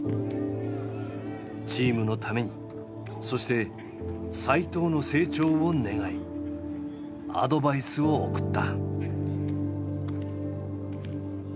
チームのためにそして齋藤の成長を願いアドバイスを送った。